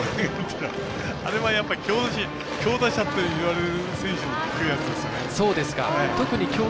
あれは、強打者といわれる選手に効くやつですね。